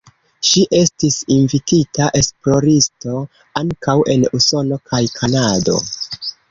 Ŝi estis invitita esploristo ankaŭ en Usono kaj Kanado.